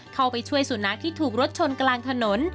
เข้าไปช่วยสุนัขที่ถูกรถชนกลางถนน